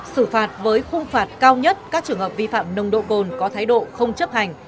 xử phạt với khung phạt cao nhất các trường hợp vi phạm nồng độ cồn có thái độ không chấp hành